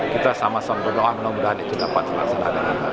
kita sama sama berdoa semoga itu dapat terlaksana